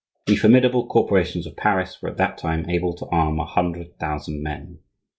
The formidable corporations of Paris were at that time able to arm a hundred thousand men.